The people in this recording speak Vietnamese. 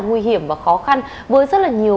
nguy hiểm và khó khăn với rất là nhiều